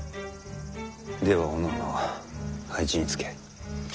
ではおのおの配置につけ。